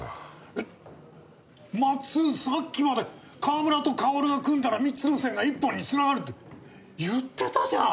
えまっつんさっきまで川村とかおるが組んだら３つの線が１本に繋がるって言ってたじゃん！